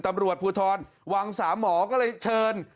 ตำรวจภูทรวังสามหมอก็เลยเชิญ